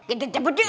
kita cabut yuk